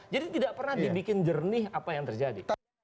tidak pernah dibikin jernih apa yang terjadi